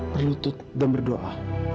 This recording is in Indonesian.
berlutut dan berdoa